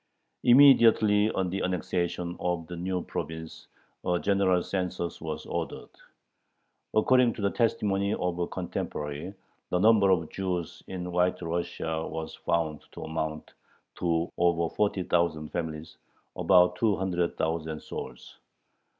Immediately on the annexation of the new province a general census was ordered. According to the testimony of a contemporary, the number of Jews in White Russia was found to amount to over forty thousand families, about two hundred thousand souls.